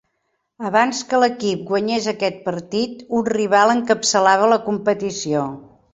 Abans que l'equip guanyés aquest partit, un rival encapçalava la competició.